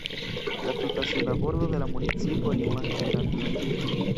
La tuta suda bordo de la municipo limas kun la Atlantiko.